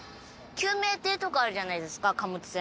救命艇とかあるじゃないですか貨物船の。